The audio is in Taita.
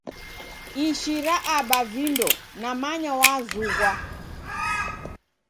Ishira Aba vindo namanya wazughwa.